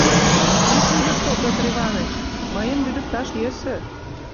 Ит лӱдыктыл, Пӧтыр Иваныч: мыйым лӱдыкташ йӧсӧ.